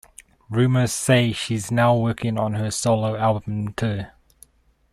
Rumours say she's now working on her solo album too.